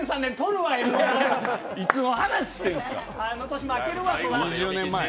あの年、負けるわ。